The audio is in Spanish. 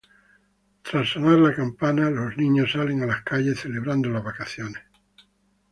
Tras sonar la campana, los niños salen a las calles celebrando las vacaciones.